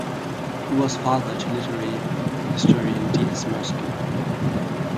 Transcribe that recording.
He was father to literary historian D. S. Mirsky.